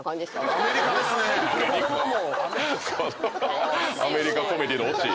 アメリカンコメディーのオチ。